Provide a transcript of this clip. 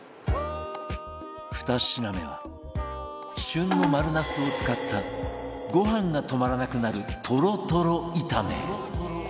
２品目は、旬の丸茄子を使ったご飯が止まらなくなるトロトロ炒め！